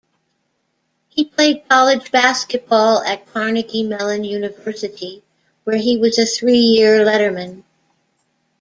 He played college basketball at Carnegie Mellon University, where he was a three-year letterman.